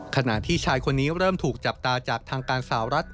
ขณะที่ชายคนนี้เริ่มถูกจับตาจากทางการสาวรัฐ